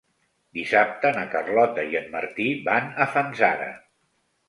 Dissabte na Carlota i en Martí van a Fanzara.